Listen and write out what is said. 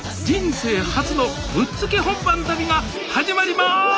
人生初のぶっつけ本番旅が始まります！